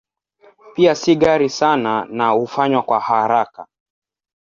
Pia si ghali sana na hufanywa kwa haraka.